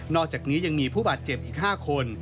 อกจากนี้ยังมีผู้บาดเจ็บอีก๕คน